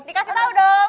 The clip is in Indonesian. dikasih tahu dong